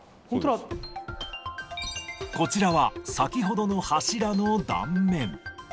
こちらは、先ほどの柱の断面。